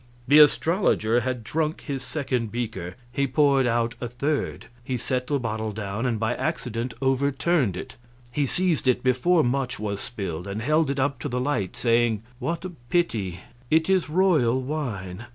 The astrologer had drunk his second beaker; he poured out a third. He set the bottle down, and by accident overturned it. He seized it before much was spilled, and held it up to the light, saying, "What a pity it is royal wine."